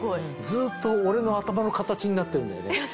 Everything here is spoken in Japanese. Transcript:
ずっと俺の頭の形になってるんだよね。